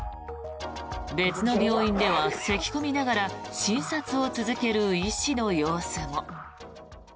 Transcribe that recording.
別の病院ではせき込みながら診察を続ける医師の様子も。